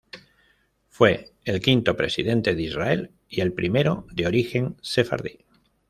Fue el quinto presidente de Israel y el primero de origen sefardí.